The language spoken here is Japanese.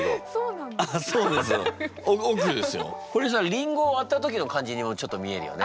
これさりんごを割った時の感じにもちょっと見えるよね。